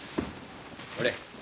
ほれ。